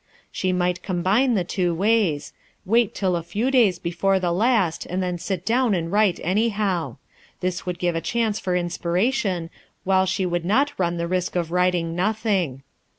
She might combine the two ways, wait till a few days before the last, and then sit down and write anyhow. This would give a chance for inspiration, while she would not run the risk of writing nothing.